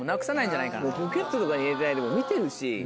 ポケットとかに入れてないで見てるし。